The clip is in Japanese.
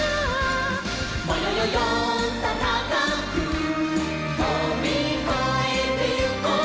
「ぼよよよんとたかくとびこえてゆこう」